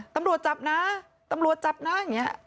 ตำรวจจับนะตำรวจจับนะอย่างนี้